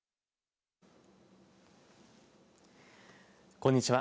こんにちは。